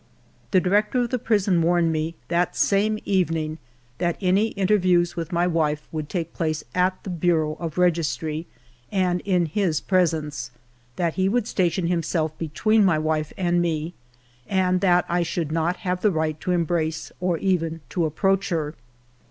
The director of the prison warned me that same evening that any interviews with my wife would take place at the Bureau of Registry, and in his presence ; that he would station himself between my wife and me, and that I should not have the right to embrace or even to approach her.